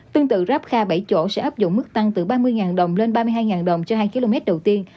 tương tự ráp kha bảy chỗ sẽ áp dụng mức tăng từ ba mươi đồng lên ba mươi hai đồng cho hai km đầu tiên